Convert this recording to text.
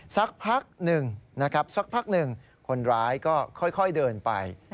สักพักหนึ่งคนร้ายก็ค่อยเดินไป